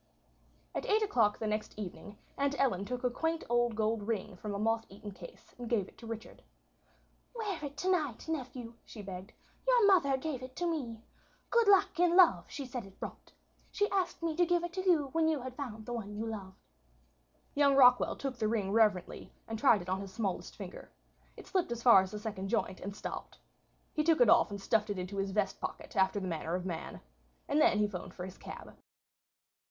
At eight o'clock the next evening Aunt Ellen took a quaint old gold ring from a moth eaten case and gave it to Richard. "Wear it to night, nephew," she begged. "Your mother gave it to me. Good luck in love she said it brought. She asked me to give it to you when you had found the one you loved." Young Rockwall took the ring reverently and tried it on his smallest finger. It slipped as far as the second joint and stopped. He took it off and stuffed it into his vest pocket, after the manner of man. And then he 'phoned for his cab.